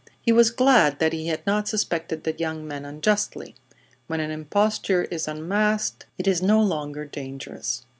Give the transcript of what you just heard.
He was glad that he had not suspected the young man unjustly. When an imposture is unmasked it is no longer dangerous.